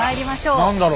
何だろう？